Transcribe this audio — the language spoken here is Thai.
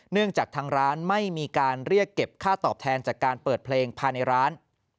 จากทางร้านไม่มีการเรียกเก็บค่าตอบแทนจากการเปิดเพลงภายในร้าน